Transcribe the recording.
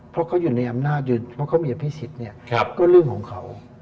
เพราะเขาอยู่ในอำนาจเพราะเขามีอภิษฎเนี่ยก็เรื่องของเขา